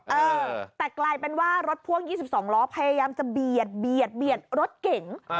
เออแต่กลายเป็นว่ารถพ่วง๒๒ล้อพยายามจะเบียดเบียดรถเก๋ง